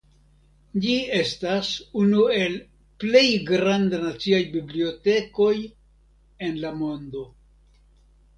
Ĝi estas unu el plej granda naciaj bibliotekoj en la mondo.